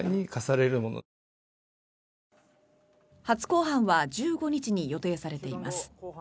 初公判は１５日に予定されています。